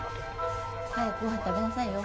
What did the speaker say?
早くご飯食べなさいよ